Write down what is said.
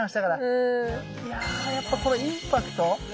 いややっぱこのインパクト。